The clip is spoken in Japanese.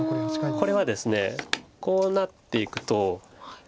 これはですねこうなっていくと。